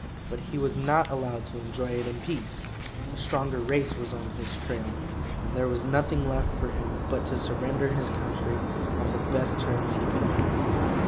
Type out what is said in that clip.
But he was not allowed to enjoy it in peace. A stronger race was on his trail, and there was nothing left for him but to surrender his country on the best terms he could make.